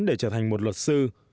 để trở thành một luật sư